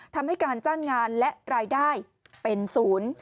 ทำให้การจ้างงานและรายได้เป็นศูนย์